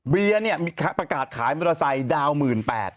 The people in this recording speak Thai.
เบียร์เนี่ยมีประกาศขายมอเตอร์ไซค์ดาว๑๘๐๐บาท